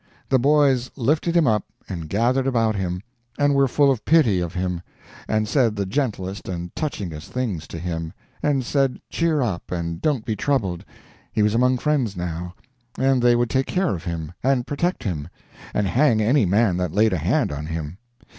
The boys lifted him up, and gathered about him, and were full of pity of him, and said the gentlest and touchingest things to him, and said cheer up and don't be troubled, he was among friends now, and they would take care of him, and protect him, and hang any man that laid a hand on him.